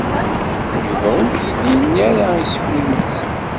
Yuba ur iyi-d-yenni ara isem-nnes.